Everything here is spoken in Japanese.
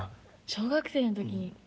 小学生の時に。